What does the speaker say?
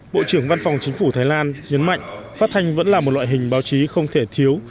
bộ trưởng văn phòng chính phủ thái lan nhấn mạnh phát thanh vẫn là một loại hình báo chí không thể thiếu